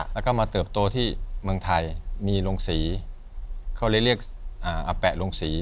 แล้วก็มาเติบโตที่เมืองไทยมีลงสีเขาเลยเรียกแปะลงสี